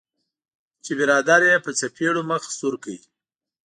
چې برادر یې په څپیړو مخ سور کړ.